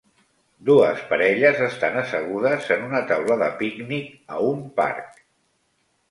Dues parelles estan assegudes en una taula de pícnic a un parc.